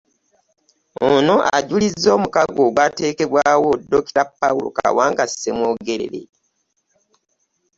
Ono ajuliza omukago ogwateekebwawo Dokita Paul Kawanga Ssemwogerere